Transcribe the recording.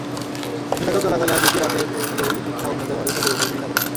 নিষেধাজ্ঞা চলাকালে আইসিসি বাটের সেই শিক্ষা অন্যদের মাঝে ছড়িয়ে দিতে চেষ্টা করেছে।